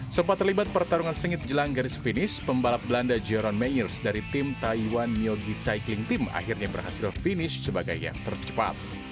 sempat terlibat pertarungan sengit jelang garis finish pembalap belanda jeron mayers dari tim taiwan myogi cycling team akhirnya berhasil finish sebagai yang tercepat